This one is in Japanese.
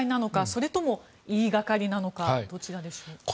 それとも、言いがかりなのかどちらでしょうか。